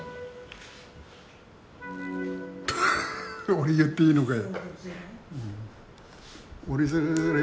俺言っていいのかや。